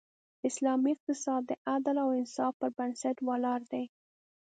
اسلامی اقتصاد د عدل او انصاف پر بنسټ ولاړ دی.